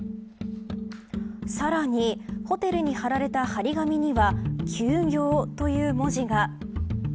さらにホテルに張られた貼り紙には休業という文字が。